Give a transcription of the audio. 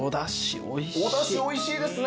おだしおいしいですね。